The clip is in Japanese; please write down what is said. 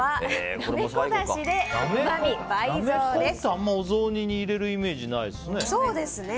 なめこって、あまりお雑煮に入れるイメージないですね。